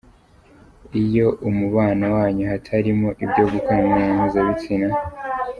Iyo umubano wanyu hatarimo ibyo gukorana imibonano mpuzabitsina.